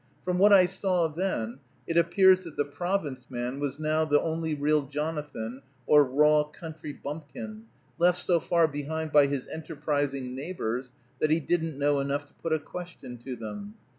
From what I saw then, it appears that the Province man was now the only real Jonathan, or raw country bumpkin, left so far behind by his enterprising neighbors that he didn't know enough to put a question to them.